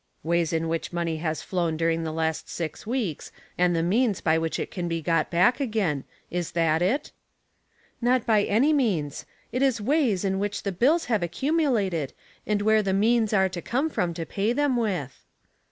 " Ways in which money has flown during the last six weeks, and the means by which it can be got back again. Is that it ?"" Not by any means. It is ways in which the bills have accumulated, and where the means are to come from to pay them with."